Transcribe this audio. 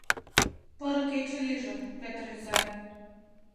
Поро кече лийже, Пӧтыр изай!